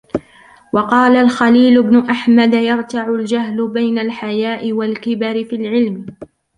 وَقَالَ الْخَلِيلُ بْنُ أَحْمَدَ يَرْتَعُ الْجَهْلُ بَيْنَ الْحَيَاءِ وَالْكِبَرِ فِي الْعِلْمِ